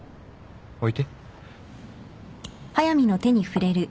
置いて。